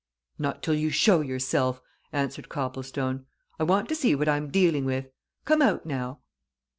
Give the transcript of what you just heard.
"Not till you show yourself," answered Copplestone. "I want to see what I'm dealing with. Come out, now!"